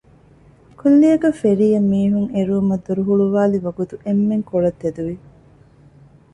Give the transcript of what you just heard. ކުއްލިއަކަށް ފެރީއަށް މީހުން އެރުވުމަށް ދޮރު ހުޅުވައިލި ވަގުތު އެންމެން ކޮޅަށް ތެދުވި